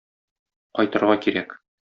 Кайтырга кирәк.